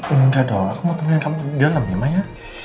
oh enggak dong aku mau temuin kamu di dalam ya maya